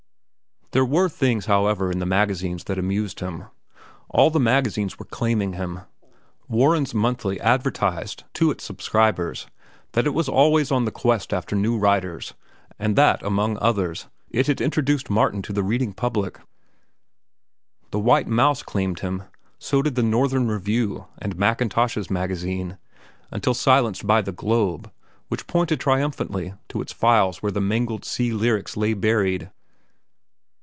There were things, however, in the magazines that amused him. All the magazines were claiming him. Warren's Monthly advertised to its subscribers that it was always on the quest after new writers, and that, among others, it had introduced Martin Eden to the reading public. The White Mouse claimed him; so did The Northern Review and Mackintosh's Magazine, until silenced by The Globe, which pointed triumphantly to its files where the mangled "Sea Lyrics" lay buried.